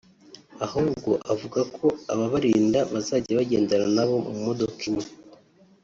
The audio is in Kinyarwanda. ahubwo avuga ko ababarinda bazajya bagendana na bo mu modoka imwe